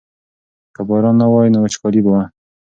که باران نه وای نو وچکالي به وه.